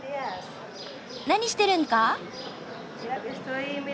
何してるんですか？